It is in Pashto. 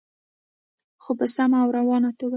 خو په سمه او روانه توګه.